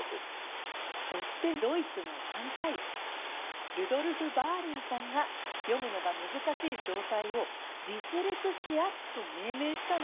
そしてドイツの眼科医ルドルフ・バーリンさんが読むのが難しい状態をディスレクシアと命名したの」。